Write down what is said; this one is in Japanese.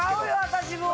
私も。